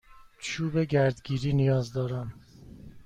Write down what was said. چوب گردگیری نیاز دارم.